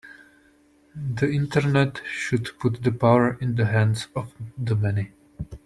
The Internet should put the power in the hands of the many.